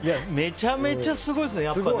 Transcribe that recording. めちゃめちゃすごいですね。